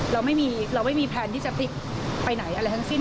เราไม่มีแพลนที่จะพลิกไปไหนอะไรทั้งสิ้น